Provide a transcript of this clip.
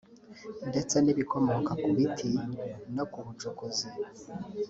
ndetse n’ibikomoka ku biti no ku bucukuzi”